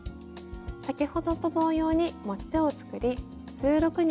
先ほどと同様に持ち手を作り１６にもすじ編み。